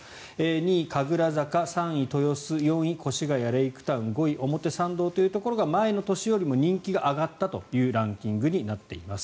２位、神楽坂３位、豊洲４位、越谷レイクタウン５位、表参道というところが前の年よりも人気が上がったというランキングになっています。